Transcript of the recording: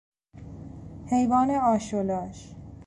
حیوان آش و لاش